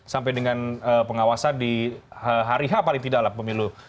sampai dengan pengawasan di hari h paling tidak lah pemilu